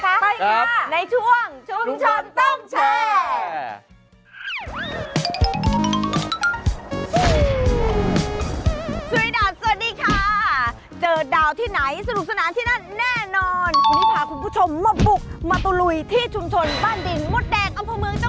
ไปดูพบกันเลยไหมคะ